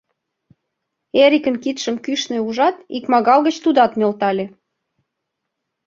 Эрикын кидшым кӱшнӧ ужат, икмагал гыч тудат нӧлтале.